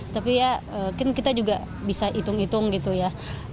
tapi ya mungkin kita juga bisa hitung hitung gitu ya